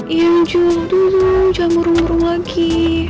iya minju tunggu dulu jangan murung murung lagi